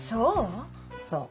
そう？